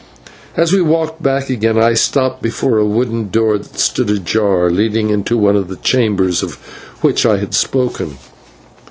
As we walked back again I stopped before a wooden door that stood ajar, leading into one of the chambers of which I have spoken.